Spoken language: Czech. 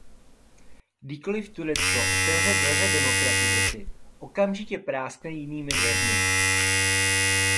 Kdykoli Turecko otevře dveře demokratizaci, okamžitě práskne jinými dveřmi.